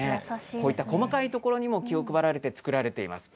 こういった細かい所にも気を配られて作られています。